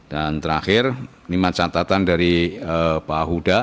dan terakhir lima catatan dari pak huda